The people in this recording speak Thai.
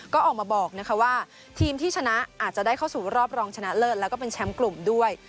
ก็ออกมาบอกว่าทีมที่ชนะอาจจะได้เข้าสู่รอบรองชนะเลิศแล้วก็เป็นแชมป์กลุ่มด้วย